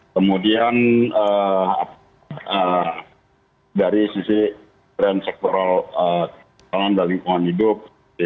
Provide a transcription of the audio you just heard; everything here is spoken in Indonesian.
kemudian dari sisi trend sektoral tangan dan lingkungan hidup